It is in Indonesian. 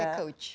ini pakai coach